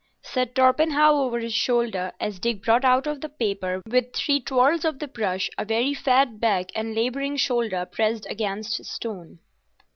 said Torpenhow over his shoulder, as Dick brought out of the paper with three twirls of the brush a very fat back and labouring shoulder pressed against stone.